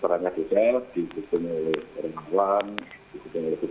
terangnya di sel di bidangnya orang orang di bidangnya bpd